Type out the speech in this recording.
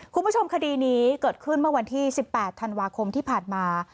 คุณผู้ชมคดีนี้เกิดขึ้นเมื่อวันที่๑๘ธันวาคมที่ผ่านมา